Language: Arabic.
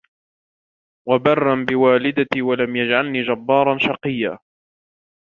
وبرا بوالدتي ولم يجعلني جبارا شقيا